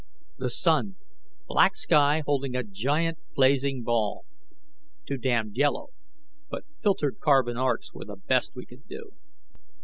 The sun. Black sky holding a giant, blazing ball. Too damned yellow, but filtered carbon arcs were the best we could do.